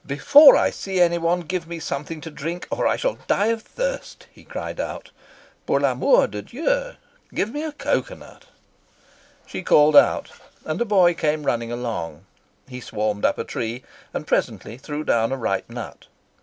"Before I see anyone give me something to drink or I shall die of thirst," he cried out. ", get me a cocoa nut." She called out, and a boy came running along. He swarmed up a tree, and presently threw down a ripe nut.